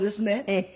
ええ。